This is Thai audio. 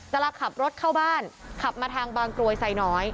เวลาขับรถเข้าบ้านขับมาทางบางกรวยไซน้อย